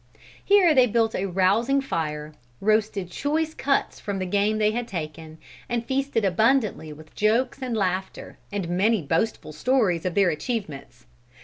Here they built a rousing fire, roasted choice cuts from the game they had taken, and feasted abundantly with jokes and laughter, and many boastful stories of their achievements.